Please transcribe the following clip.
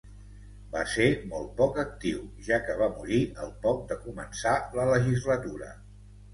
Va ser molt poc actiu, ja que va morir al poc de començar la legislatura.